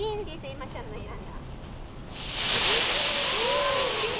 恵麻ちゃんの選んだ。